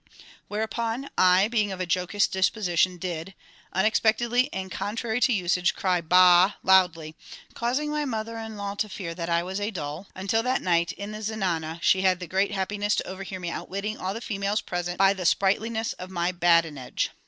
Whereupon I, being of a jokish disposition, did, unexpectedly and contrary to usage, cry "Baa" loudly, causing my mother in law to fear that I was a dull until that night in the Zenana she had the great happiness to overhear me outwitting all the females present by the sprightliness of my badinage.